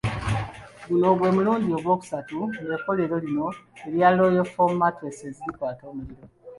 Guno gwe mulundi ogwokusatu ng'ekkolero lino erya Royal Foam mattress likwata omuliro.